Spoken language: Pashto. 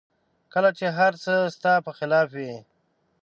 کله چې هر څه ستا په خلاف وي